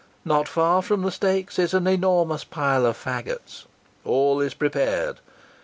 Not far from the stakes are an enormous pile of fagots. All is prepared.